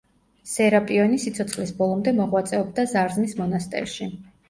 სერაპიონი სიცოცხლის ბოლომდე მოღვაწეობდა ზარზმის მონასტერში.